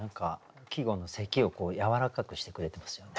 季語の「咳」をやわらかくしてくれてますよね。